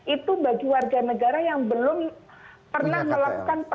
itu bagi warga negara yang belum pernah melakukan